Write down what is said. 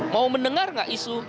mau mendengar gak isu